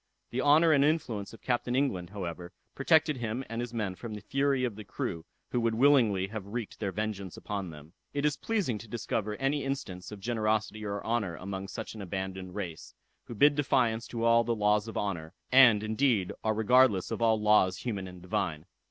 The honor and influence of Captain England, however, protected him and his men from the fury of the crew, who would willingly have wreaked their vengeance upon them. It is pleasing to discover any instance of generosity or honor among such an abandoned race, who bid defiance to all the laws of honor, and, indeed, are regardless of all laws human and divine.